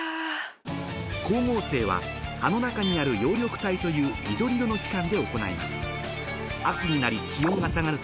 光合成は葉の中にある葉緑体という緑色の器官で行います